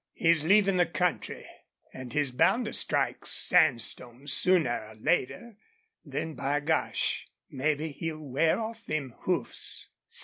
He's leavin' the country, an' he's bound to strike sandstone sooner or later. Then, by gosh! mebbe he'll wear off them hoofs."